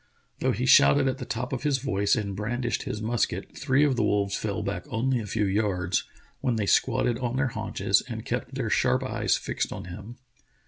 Though he shouted at the top of his voice and brandished his musket, three of the wolves fell back only a few yards, when they squatted on their haunches and kept their sharp eyes fixed on him.